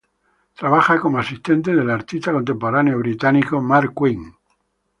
Trabaja como asistente del artista contemporáneo británico, Marc Quinn.